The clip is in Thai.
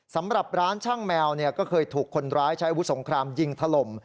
สำหรับร้านช่างแมวก็เคยถูกคนร้ายใช้อาวุธสงครามยิงถล่ม